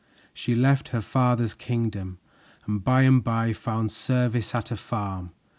She left her father's kingdom and by and by found service at a farm.